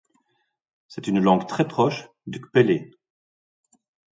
C'est une langue très proche du kpèllé.